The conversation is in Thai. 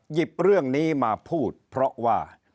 หยิบเรื่องนี้มาพูดเพราะว่า